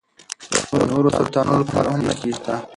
د نورو سرطانونو لپاره هم نښې شته.